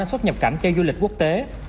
đến xuất nhập cảnh cho du lịch quốc tế